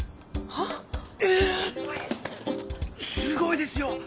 すごいですよ